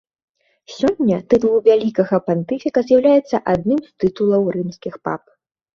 Сёння тытул вялікага пантыфіка з'яўляецца адным з тытулаў рымскіх пап.